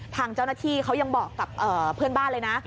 ทางเจ้าหน้าที่เขายังบอกกับเพื่อนบ้านเลยนะ